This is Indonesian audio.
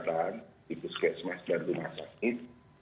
fasilitas kesehatan dan rumah sakit